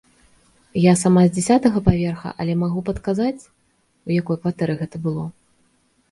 Я сама з дзясятага паверха, але магу падказаць, у якой кватэры гэта было.